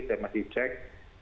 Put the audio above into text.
saya masih cek